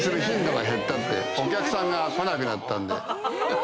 お客さんが来なくなったんで。